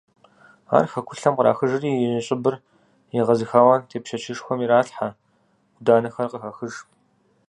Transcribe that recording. Ар хьэкулъэм кърахыжри, и щӀыбыр егъэзыхауэ тепщэчышхуэм иралъхьэ, Ӏуданэхэр къыхахыж.